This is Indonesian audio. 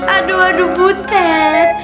aduh aduh butet